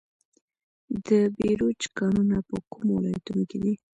د بیروج کانونه په کومو ولایتونو کې دي؟